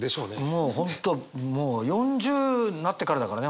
もう本当もう４０になってからだからね